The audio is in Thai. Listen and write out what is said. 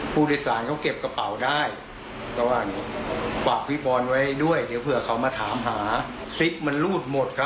เพราะวันนั้นมันขายของดีเหมือนกันบ้างค่ะ